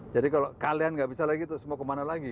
jadi kalau kalian nggak bisa lagi terus mau kemana lagi